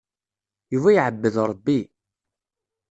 Yuba iɛebbed Ṛebbi.